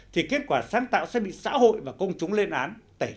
thì kết quả sáng tạo sẽ bị xã hội và công chúng lên án